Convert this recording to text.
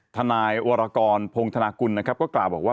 ทนายวรกรพงธนากุลนะครับก็กล่าวบอกว่า